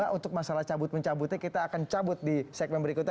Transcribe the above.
untuk masalah cabut mencabutnya kita akan cabut di segmen berikutnya